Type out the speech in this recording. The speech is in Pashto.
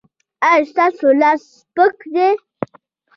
ایا ستاسو لاس سپک دی؟